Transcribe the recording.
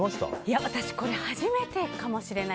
私、これ初めてかもしれない。